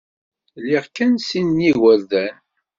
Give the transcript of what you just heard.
Liɣ kan sin n yigerdan.